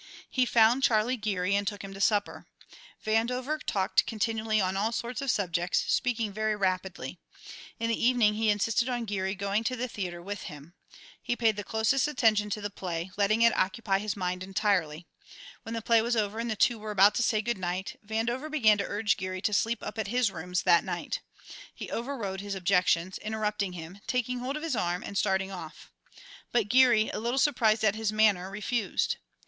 He found Charlie Geary and took him to supper. Vandover talked continually on all sorts of subjects, speaking very rapidly. In the evening he insisted on Geary going to the theatre with him. He paid the closest attention to the play, letting it occupy his mind entirely. When the play was over and the two were about to say good night, Vandover began to urge Geary to sleep up at his rooms that night. He overrode his objections, interrupting him, taking hold of his arm, and starting off. But Geary, a little surprised at his manner, refused.